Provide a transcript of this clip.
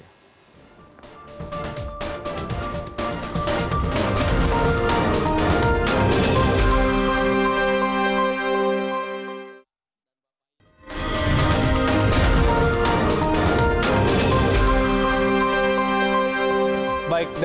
bersama dengan bu anita kolopaki